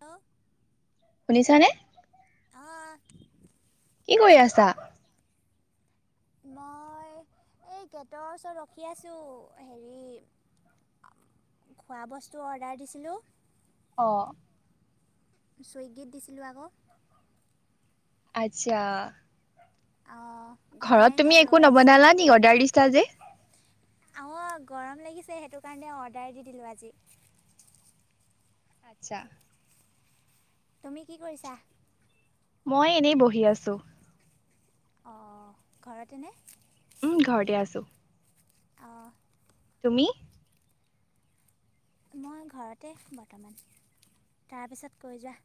Hello শুনিছা নে অঁ কি কৰি আছা। মই এই গেটৰ ওচৰত ৰখি আছো হেৰি খোৱা বস্তু অৰ্ডাৰ দিছিলোঁ অ ছুইগীত দিছিলোঁ আক। আচ্ছা। অঁ অহাই ঘৰত নাই তুমি একো ৰৈ আছোঁ নবনালা নেকি অৰ্ডাৰ দিছা যে অৱ গৰম লাগিছে সেইটো কাৰণে অৰ্ডাৰ দি দিলোঁ আজি আচ্ছা তুমি কি কৰিছা? মই এনেই বহি আছো। অ' ঘৰতেনে? উম ঘৰতে আছো। অহ। তুমি মই ঘৰতে বৰ্তমান, তাৰপিছত কৈ যোৱা।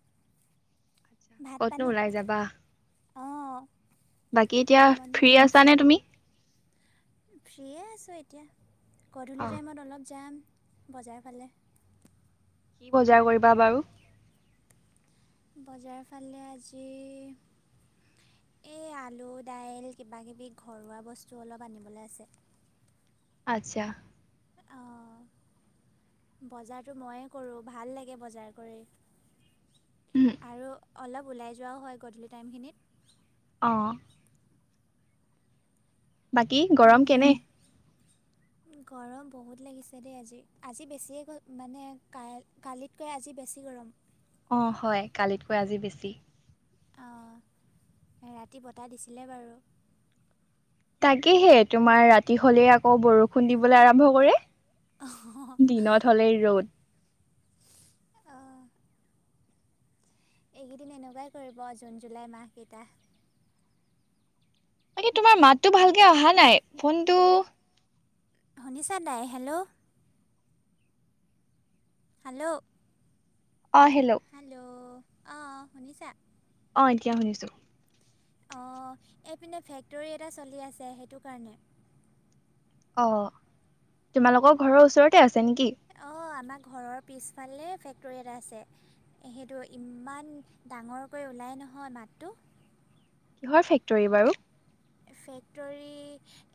ভাত ক'তনো পানী ওলাই যাবা! অঁ বাকী এতিয়া আমনি ফ্ৰী আছা নে তুমি? ফ্ৰিএ আছো এতিয়া গধূলি অ', টাইমত অলপ যাম। বজাৰ ফালে কি বজাৰ কৰিবা বাৰু? বজাৰ ফালে আজি এই আলু দাইল কিবা কিবি ঘৰুৱা বস্তু অলপ আনিবলৈ আছে। আচ্ছা। অঁ বজাৰটো ময়ে কৰো ভাল লাগে বজাৰ কৰি উম, আৰু অলপ ওলাই যোৱাও হয় গধূলি টাইমখিনিত অ' বাকী গৰম তুমি কেনে? গৰম বহুত লাগিছে দেই আজি। আজি বেছিয়ে মানে ক কালিতকৈ আজি বেছি। গৰম অ' হয়। কালিতকৈ আজি বেছি। অ ৰাতি বতাহ দিছিলে বাৰু। তাকেহে তোমাৰ ৰাতি হলেই আকৌ বৰষুণ দিবলৈ আৰম্ভ কৰে। দিনত হ'লেই ৰ'দ। অহ। এইকেইদিন এনেকুৱাই কৰিব জুন জুলাই মাহকেইটা। বাকি তোমাৰ মাতটো ভালকে অহা নাই ফোনটো। শুনিছা নাই হেল্ল'। হেল্ল'। অহ হেল্লো। আহ শুনিছা। অঁ এতিয়া শুনিছোঁ। অ' এইপিনে ফেক্টৰী এটা চলি আছে। সেইটো কাৰণে অ' তোমালোকৰ ঘৰৰ ওচৰতে আছে নেকি? অঁ আমাৰ ঘৰৰ পিছফালে ফেক্টৰী এটা আছে। সেইটো ইমান ডাঙৰকৈ ওলাই ন নহয় মাতটো কিহৰ ফেক্টৰী বাৰু? ফেক্টৰী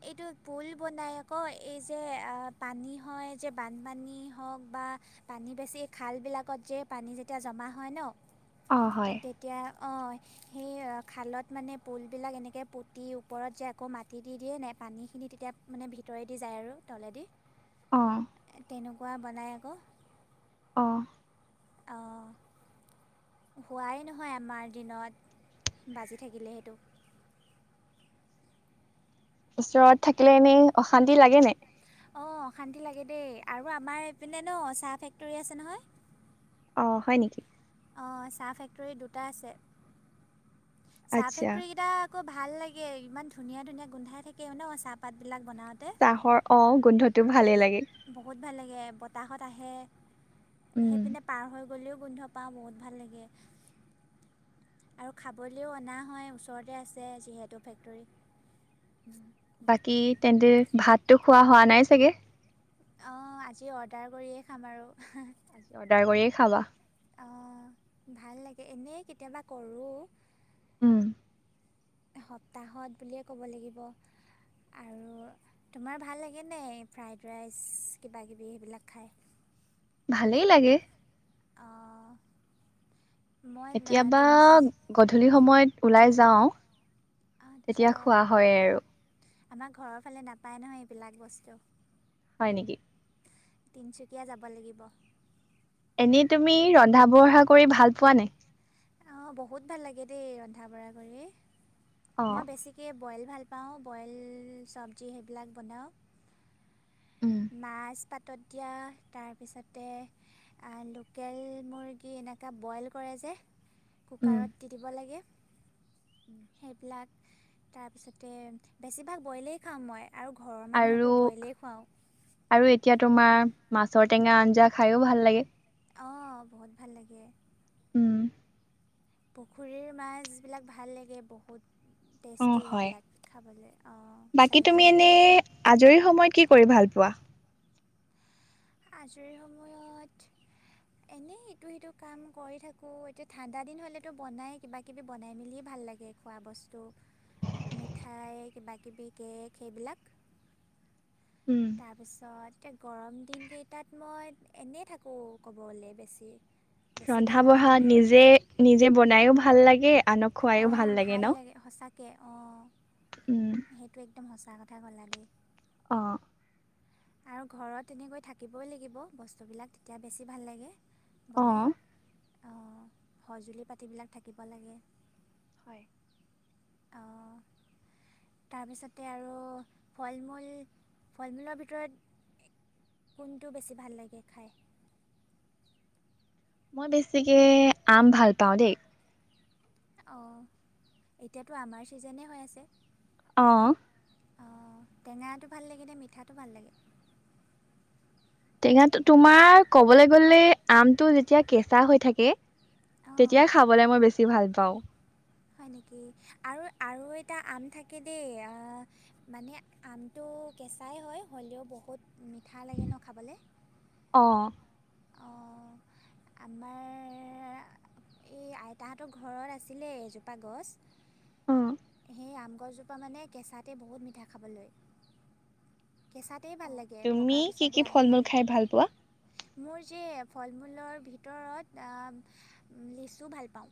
এইটো পুল বনাই আকৌ এই যে পানী হয়। বানপানী হাওক বা পানী বেছি খালবিলাক যে পানী যেতিয়া জামা হয় ন। অ হয় তেতিয়া অ' সেই খালত মানে পুল বিলাক এনেকে পুট মাটিৰ ওপৰত যে আকৌ মাটি দি দিয়ে নে পানীখিনি তেতিয়া মানে ভিতৰেদি যায় আৰু তলেদি অ' তেনেকুৱা বনাই আকৌ অ' অহ। হোৱাই নহয় আমাৰ দিনত বাজি থাকিলে সেইটো। [inaudible] ওচৰত থাকিলে এনেই অশান্তি লাগে নাই। অ অ শান্তি লাগে দেই আৰু আমাৰ এইপিনে ন চাহ ফেক্টৰী আছে নহয়। অঁ হয় নেকি? অ চাহ ফেক্টৰী দুটা আছে চাহ আচ্ছা ফেক্টৰী কেইটা। ভাল লাগে ইমান ধুনীয়া ধুনীয়া গোন্ধাই থাকে ন চাহপাত বিলাক। চাহৰ অ গোন্ধটো ভালে লাগে। বহুত ভাল লাগে বতাহত আহে। উম সেইপিনে পাৰ হৈ গ'লেও গোন্ধ পাওঁ বহুত ভাল লাগে আৰু খাবলৈও অনা হয় ওচৰতে আছে যিহেতু ফেক্টৰী। বাকী তেন্তে ভাতটো খোৱা হোৱা নাই চাগে? অঁ আজি অৰ্ডাৰ কৰিয়ে খাম বাৰু। আজি অৰ্ডাৰ কৰিয়ে খাবা। অ ভাল লাগে এনেই কেতিয়াবা কৰোঁ উম্। সপ্তাহত বুলিয়ে ক'ব লাগিব। আৰু তোমাৰ ভাল লাগেনে ফ্ৰাইড ৰাইচ কিবা কিবি সেইবিলাক খায়। ভালেই লাগে। অঁ মই ন- কেতিয়াবা তিনি গধূলি সময়ত ওলাই যাওঁ। আচ্ছা তেতিয়া খোৱা হয়ে আৰু। আমাৰ ঘৰৰ ফালে নাপায় নহয় এইবিলাক বস্তু। হয় নেকি? তিনিচুকীয়া যাব লাগিব। এনেই তুমি ৰন্ধা বঢ়া কৰি ভাল পোৱা নে। অঁ বহুত ভাল লাগে দেই ৰন্ধা বঢ়া কৰি অ মই বেছিকৈ। বইল ভাল পাওঁ বইল চবজি সেইবিলাক বনাওঁ। উম মাছ। পাতত দিয়া তাৰ পিছতে লোকেল মুৰ্গীৰ এনেকা বইলকৰে। যে উম কুকাৰত দি দিব লাগে সেইবিলাক তাৰপিছতে বেছিভাগ বইলেই খাওঁ মই আৰু ঘৰৰ আৰু মানুহকো বইলেই খুৱাওঁ আৰু এতিয়া তোমাৰ মাছৰ টেঙা আঞ্জা খাইো ভাল লাগে অঁ বহুত ভাল লাগে। উম। পুখুৰীৰ মাছবিলাক ভাল লাগে বহুত অ টেষ্টি হয় সেইবিলাক খাবলৈ অঁ বাকী তুমি এনে চালানীবিলাক আজৰি সময়ত কি কৰিবা ভাল পোৱা। আজৰি সময়ত। এনেই ইটো সিটো কাম কৰি থাকো এতিয়া ঠাণ্ডা দিন হলেতো বনাই কিবা কিবি বনাই মেলি ভাল। ভাল লাগে খোৱা বস্তু। মিঠাই কিবাকিবি কেক সেইবিলাক। উম, তাৰপিছত গৰম দিনকেইটাত মই এনেই থাকোঁ ক'বলে বেছি। বেছিভাগ ৰন্ধা সময় বঢ়া এনেই আৰু নিজে নিজে বনাইো ভাল লাগে। আনক খুৱাইও অঁ ভাল ন? লাগে সঁচাকে অঁ উম, সেইটো একদম সঁচা কথা। কঠা গলালি [unintelligible] আহঁ। আৰু ঘৰত তেনেকৈ থাকিবই লাগিব বস্তুবিলাক তেতিয়া বেছি ভাল লাগে হয়। বনাই সঁজুলি পাতিবিলাক থাকিব লাগে। হয়। অঁ। তাৰপিছতে আৰু ফল মূল আৰু ফল মূল। ত কোনটো বেছি ভাল লাগে খাই মই বেছিকে আম ভাল পাওঁ দেই অঁ এতিয়াতো আমাৰ ছিজনেই হৈ আছে আহঁ অঁ টেঙাটো ভাল লাগে নে মিঠাটো ভাল লাগে টেঙা তোমাৰ কবলৈ গলে আমটো যেতিয়া কেঁচা হৈ থাকে অঁ তেতিয়াই খাবলে মই বেছি ভাল পাওঁ হয় নেকি আৰু আৰু এটা আম থাকে দেই অ মানে আমটো কেঁচাই হয় হলেও বহুত মিঠা লাগে নহ খাবলে। অঁ, [unintelligible] [inaudible] আমাৰ এই আইতাঁহতৰ ঘৰত আছিলেই এজোপা গছ অঁ। সেই আম গছজোপা মানে কেঁচাতে বহুত মিঠা খাবলৈ কেঁচাতেই ভাল লাগে তুমি পকাৰ কি পিছত কি বেয়াহে ফল মূল লাগে খাই ভাল পোৱা? মোৰ যে ফল মূলৰ ভিতৰত লিচু ভাল পাওঁ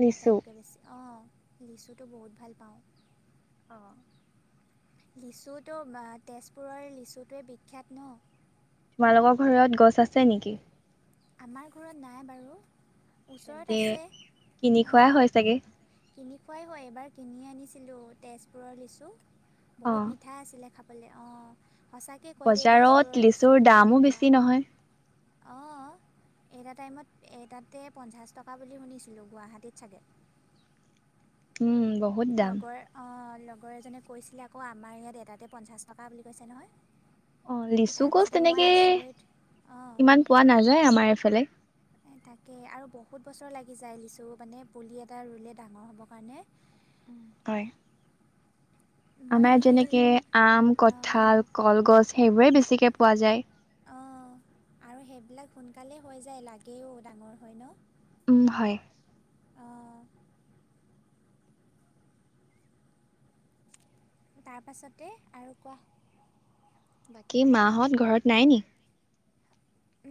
লিচু, বেছি অঁ লিচুটো বহুত ভাল পাওঁ অঁ। লিচুটো তেজপুৰৰ লিচুটোৱে বিখ্যাত ন তোমালোকৰ ঘৰত গছ আছে নেকি! আমাৰ ঘৰত নাই বাৰু ওচৰত তেন্তে আছে কিনি খোৱাাই হয় চাগে হয় হয় এবাৰ কিনি আনিছিলোঁ তেজপুৰৰ লিচু বহুত অ', মিঠা আছিলে খাব বোলে অঁ সঁচাকে কয় দেই বজাৰত তেজপুৰৰ লিচুৰ লিচুবিলাক দামো মিঠা বেছি নহয়। অঁ এটা টাইমত এটাাতে পঞ্চাছ টকা বুলি শুনিছিলোঁ গুৱাহাটীত চাগে [unintelligible] বহুত দাম। লগৰ অ লগৰ এজনে কৈছিলে আকৌ আমাৰ ইয়াত এটাতে পঞ্চাছ টকা বুলি কৈছে নহয়। অঁ লিচু গছ তাৰপিছতে মই তেনেকে আচৰিত অঁ ইমান পোৱা নাযায় আমাৰ এইফালে। তাকে আৰু বহুত বছৰ লাগি যায় লিছোঁ মানে পুলি এটা ৰুলে ডাঙৰ হ'বৰ কাৰণে। হয়। মই আমাৰ সেই যেনেকে আম অঁ কঠাল কলগছ সেইবোৰে বেছিকে পোৱা যায়। অ আৰু সেইবিলাক সোনকালেই হৈ যায়, লাগেও ডাঙৰ হয় ন? উম হয়। অঁ তাৰপাছতে আৰু কোৱা। বাকী মাহঁত ঘৰত নাই নি?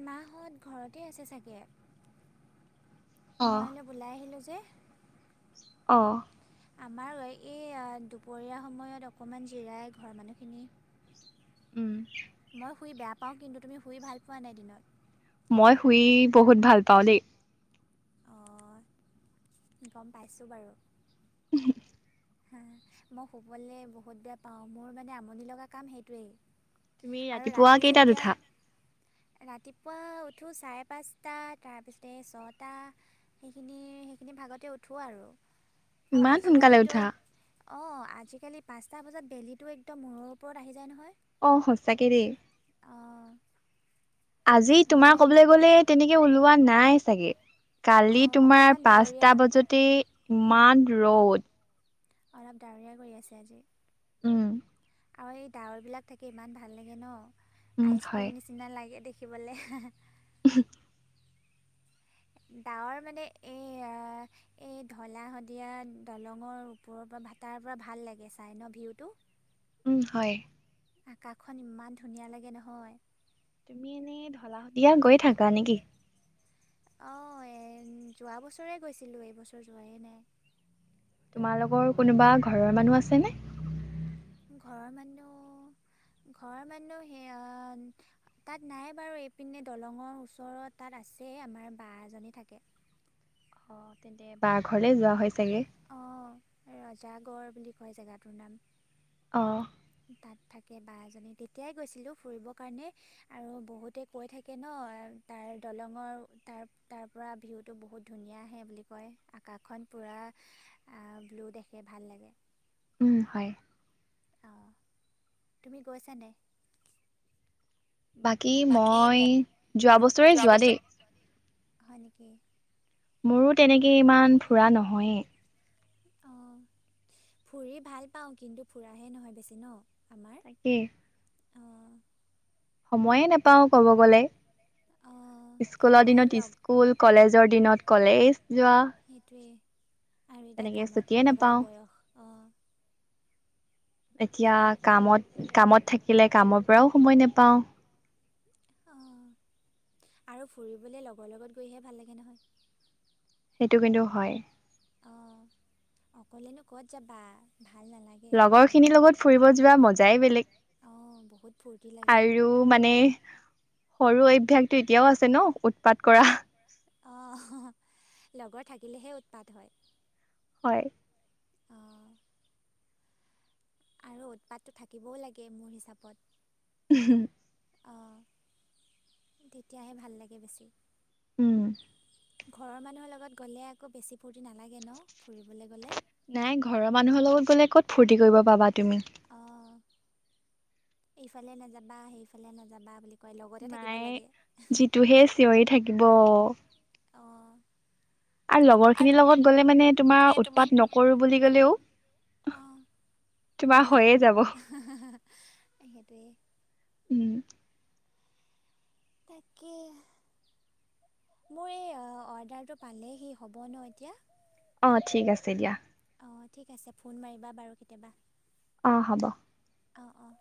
মাহঁত ঘৰতে আছে চাগে? মই অ', অলপ ওলাই আহিলো যে। অ আমাৰ এই দুপৰীয়াৰ সময়ত অকণমান জিৰাই ঘৰৰ মানুহখিনি উম মই শুই বেয়া পাওঁ কিন্তু তুমি শুই ভাল পোৱা নাই দিনত মই শুই বহুত ভাল পাওঁ দেই অঁ গম পাইছোঁ বাৰু উ হা মই শুবলৈ বহুত বেয়া পাওঁ মোৰ মানে আমনি লগা কাম সেইটোৱেই তুমি আৰু ৰাতিপুৱা ৰাতি কেইটাত যেতিয়া উঠা ৰাতিপুৱা উঠো চাৰে পাঁচটা তাৰপিছতে ছটা সেইখিনি আ সেইখিনি ভাগতে উঠোঁ আৰু ইমান সোনকালে উঠা অ আজিকালি পাঁচটা বজাত বেলিটো একদম মূৰৰ ওপৰত আহি যা ই নহয় অ', সঁচাকে দেই। অ। আজি তোমাৰ কবলৈ গ'লে তেনেকে ওলোৱা নাই চাগে। কালি অঁ অকণমান তোমাৰ পাঁচটা ডাৱৰীয়া বজাতে ইমান ৰ'দ অলপ ডাৱৰীয়া কৰি আছে আজি। উম। আৰু এই ডাৱৰবিলাক থাকে ইমান ভাল লাগে ন? উম আইচক্ৰীম নিচিনা লাগে দেখি। বলে হে হে উ [unintelligible] ডাৱৰ মানে এই এই ঢলা শদিয়া দলঙৰ ওপৰৰ পৰা তাৰ পৰা ভাল লাগে চাই ন ভিউটো? উম হয়। আকাশখন ইমান ধুনীয়া লাগে নহয়। তুমি এনেই ঢলা শদিয়া গৈ থাকা নেকি? অ এ যোৱা বছৰে গৈছিলো এইবছৰ যোৱাই নাই। তোমালোকৰ কোনোবা ঘৰৰ মানুহ আছেনে? ঘৰৰ মানুহ ঘৰ মানুহ সেই তাত নাই বাৰু এইপিনে দলঙৰ ওচৰত তাত আছে। ছে আমাৰ বা এজনী থাকে। [inaudible] অ তেন্তে বা ঘৰলে যোৱা হয়? চাগে অ ৰজাগড় বুলি কয় জেগাটোৰ নাম। অ। তাত থাকে বা এজনী তেতিয়াই গৈছিলো ফুৰিব কাৰণে। আৰু বহুতে কৈ থাকে ন হয় তাৰ দলঙৰ তাৰ তাৰ পৰা ভিউটো বহুত ধুনীয়া আহে বুলি কয় আকাশখন। পুৰা ব্লু দেখে ভাল লাগে। উম হয়। অ তুমি গৈছানে বাকী মই যোৱা বছৰে যোৱা দেই হয় নেকি মোৰো তেনেকে ইমান ফুৰা নহয়েই অঁ ফুৰি ভাল পাওঁ কিন্তু ফুৰাহে নহয় বেছি ন আমাৰ তাকে অঁ সময়ে নাপাওঁ কব গলে অঁ স্কুলৰ আৰু দিনত লগ স্কুল কলেজৰ দিনত কলেজ যোৱা সেইটোৱেই আৰু এতিয়া তেনেকে ছুটিয়ে কামত লগাৰ নাপাওঁ বয়স অ এতিয়া কামত-কামত থাকিলে কামৰ পৰাও সময় নেপাওঁ অঁ আৰু ফুৰিবলৈ লগৰ লগত গৈহে ভাল লাগে নহয় সেইটো কিন্তু হয়। অ অকলেনো ক'ত যাবা ভাল নালাগে তেনেকৈ লগৰখিনিৰ লগত ফুৰিব যোৱা মজাই বেলেগ। অঁ বহুত ফূৰ্তি লাগে আৰু মানে সৰু অভ্যাসটো এতিয়াও আছে ন উৎপাত কৰা। অ লগৰ থাকিলেহে উৎপাত হয়। হয় অঁ আৰু উৎপাতটো থাকিবও লাগে মোৰ হিচাপত হম অঁ তেতিয়াহে ভাল লাগে বেছি উম ঘৰৰ মানুহৰ লগত গ'লে আকৌ বেছি ফূৰ্তি নালাগে ন ফুৰিবলৈ গ'লে নাই ঘৰৰ মানুহৰ লগত গ'লে ক'ত ফূৰ্তি কৰিব পাবা তুমি অঁ এইফালে নাযাবা সেইফালে নাযাবা বুলি ক নাই যিটোহে চিঞৰি থাকিব অঁ আৰু লগৰখিনিৰ লগত গ'লে মানে তোমাৰ উৎপাত নকৰো বুলি ক'লেও ‌ অ তোমাৰ হৈ যায় হৈয়ে যাব হা হা হা সেইটোৱেই উম তাকে মোৰ এই অৰ্ডাৰটো পালেহি হ'ব ন এতিয়া অঁ ঠিক আছে দিয়া অঁ ঠিক আছে ফোন মাৰিবা বাৰু কেতিয়াবা অঁ হ'ব অঁ-অঁ